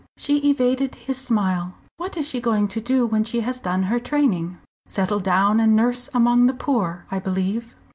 She evaded his smile. "What is she going to do when she has done her training?" "Settle down and nurse among the poor, I believe."